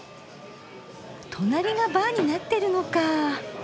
隣がバーになってるのかぁ！